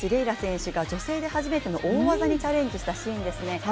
楽選手が女性で初めての大技にチャレンジしたシーンですね。